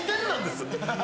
なんです